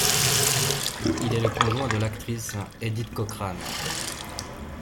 Il est le conjoint de l'actrice Édith Cochrane.